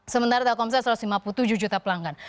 sementara telkomsel satu ratus lima puluh tujuh juta pelanggan